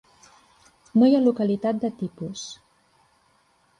No hi ha localitat de tipus.